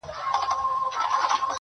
له آشنا لاري به ولي راستنېږم.!